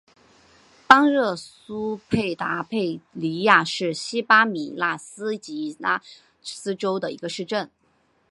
邦热苏斯达佩尼亚是巴西米纳斯吉拉斯州的一个市镇。